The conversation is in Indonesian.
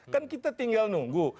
kan kita tinggal nunggu